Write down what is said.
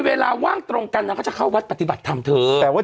เวลาว่างตรงกันนางก็จะเข้าวัดปฏิบัติธรรมเธอแต่ว่า